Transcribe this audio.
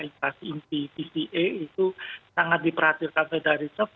inflasi impi pca itu sangat diperhatikan dari cep